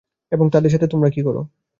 এবং তাদের সাথে তোমরা কি কর?